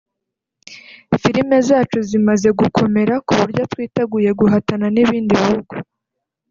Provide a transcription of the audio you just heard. filime zacu zimaze gukomera ku buryo twiteguye guhatana n’ibindi bihugu